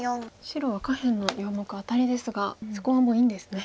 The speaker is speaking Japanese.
白は下辺の４目アタリですがそこはもういいんですね。